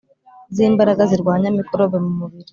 Zimbaraga zirwanya mikorobe mumubiri